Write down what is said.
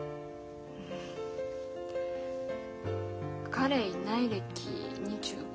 彼いない歴２５年。